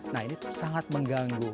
nah ini sangat mengganggu